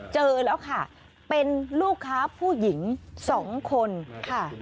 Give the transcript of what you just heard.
เจอแล้วค่ะเป็นลูกค้าผู้หญิงสองคนค่ะ